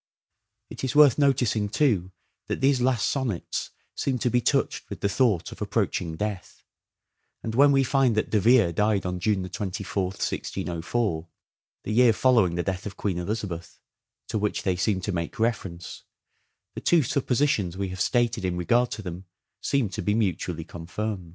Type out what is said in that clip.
It is worth noticing, too, that these last sonnets seem to be touched with the thought of approaching death ; and when we find that De Vere died on June 24th, 1604, the year following the death of Queen Elizabeth, to which they seem to make reference, the two suppositions we have stated in regard to them seem to be mutually confirmed.